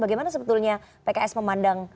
bagaimana sebetulnya pks memandang